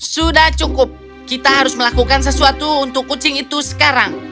sudah cukup kita harus melakukan sesuatu untuk kucing itu sekarang